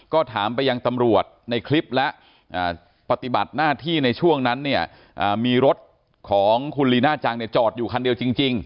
ก็ถามไปยังตำรวจในคลิปและปฏิบัติหน้าที่ในช่วงนั้นเนี่ยมีรถของคุณลีน่าจังเนี่ยจอดอยู่คันเดียวจริง